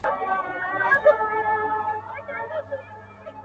د ژوند په څو لارو كي؛